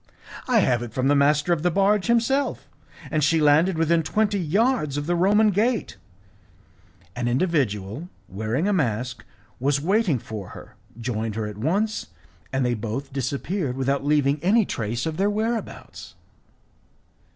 "I have it from the master of the barge himself, and she landed within twenty yards of the Roman gate. An individual wearing a mask was waiting for her, joined her at once, and they both disappeared without leaving any trace of their whereabouts."